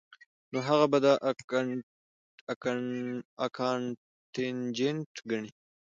نو هغه به دا کانټنجنټ ګڼي